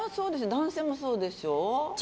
男性もそうでしょ？